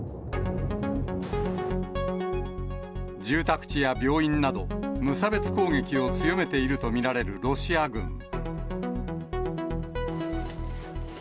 住宅地や病院など、無差別攻撃を強めていると見られるロシア軍。